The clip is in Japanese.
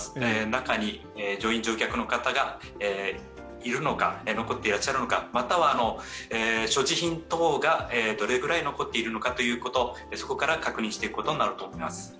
中に乗員・乗客の方が残っていらっしゃるのか、または、所持品等がどれくらい残っているのかというところ、そこから確認していくことになると思います。